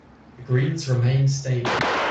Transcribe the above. The Greens remained stable.